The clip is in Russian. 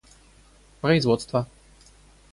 производства